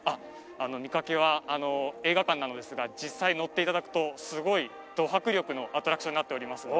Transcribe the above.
見かけは映画館なのですが実際乗って頂くとすごいド迫力のアトラクションになっておりますので。